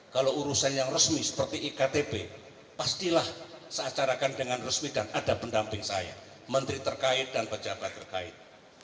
kalau urusan yang resmi seperti iktp pastilah saya carakan dengan resmi dan ada pendamping saya menteri terkait dan pejabat terkait